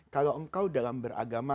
kalau engkau dalam beragama